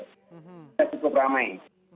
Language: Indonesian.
sudah cukup ramai